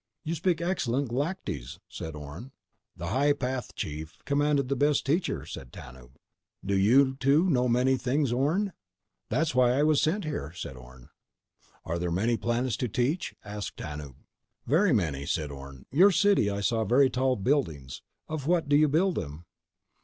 "You speak excellent Galactese," said Orne. "The High Path Chief commanded the best teacher," said Tanub. "Do you, too, know many things, Orne?" "That's why I was sent here," said Orne. "Are there many planets to teach?" asked Tanub. "Very many," said Orne. "Your city—I saw very tall buildings. Of what do you build them?"